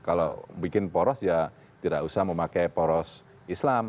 kalau bikin poros ya tidak usah memakai poros islam